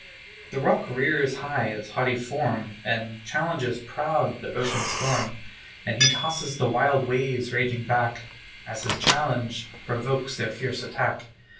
The rock rears high his haughty form, And challenges proud the ocean storm; And he tosses the wild waves raging back, As his challenge provokes their fierce attack.